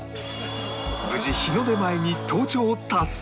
無事日の出前に登頂達成！